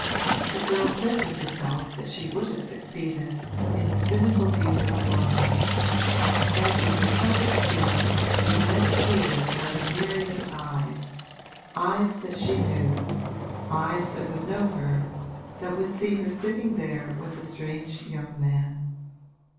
The girl said to herself that she would have succeeded, in the cynical view of London; and to her troubled spirit the immense theatre had a myriad eyes, eyes that she knew, eyes that would know her, that would see her sitting there with a strange young man.